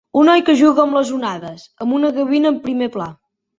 Un noi que juga amb les onades, amb una gavina en primer pla.